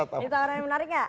ini tawaran yang menarik ya